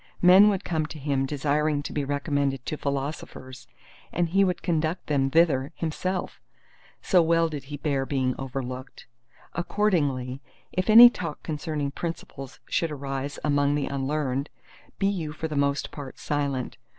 Men would come to him desiring to be recommended to philosophers, and he would conduct them thither himself—so well did he bear being overlooked. Accordingly if any talk concerning principles should arise among the unlearned, be you for the most part silent.